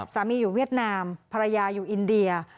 อยู่เวียดนามภรรยาอยู่อินเดีย